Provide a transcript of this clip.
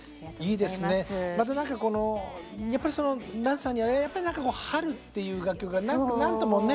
また何かこのやっぱり蘭さんには「春」という楽曲が何ともね。